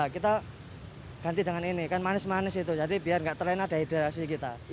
kita ganti dengan ini kan manis manis itu jadi biar enggak terlena dehidrasi kita